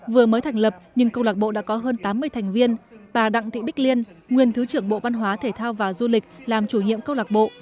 vừa mới thành lập nhưng câu lạc bộ đã có hơn tám mươi thành viên bà đặng thị bích liên nguyên thứ trưởng bộ văn hóa thể thao và du lịch làm chủ nhiệm câu lạc bộ